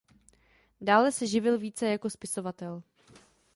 Dále se živil více jako spisovatel.